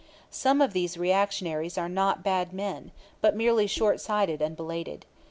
Some of these reactionaries are not bad men, but merely shortsighted and belated.